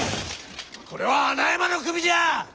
これは穴山の首じゃ！